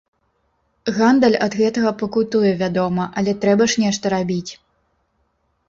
Гандаль ад гэтага пакутуе, вядома, але трэба ж нешта рабіць!